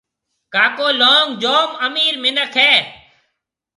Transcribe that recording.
ڪاڪو لونگ جوم امِير مِنک هيَ۔